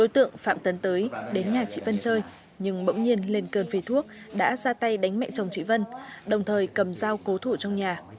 tượng phạm tấn tới đến nhà chị vân chơi nhưng bỗng nhiên lên cơn phi thuốc đã ra tay đánh mẹ chồng chị vân đồng thời cầm dao cố thủ trong nhà